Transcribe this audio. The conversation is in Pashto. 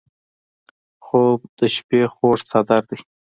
خوب د شپه خوږ څادر دی